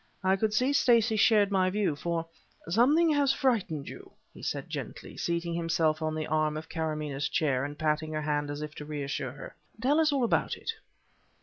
I could see that Stacey shared my view, for: "Something has frightened you," he said gently, seating himself on the arm of Karamaneh's chair and patting her hand as if to reassure her. "Tell us all about it."